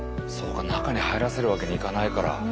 中に入らせるわけにいかないから。